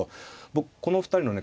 僕この２人のね